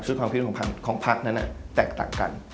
ซึ่งความคิดของพักนั้นแตกต่างกัน